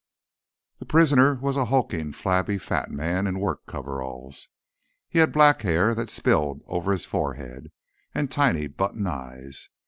The prisoner was a hulking, flabby fat man in work coveralls. He had black hair that spilled all over his forehead, and tiny button eyes.